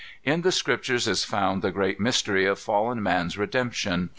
"In the Scriptures is found the great mystery of fallen man's redemption.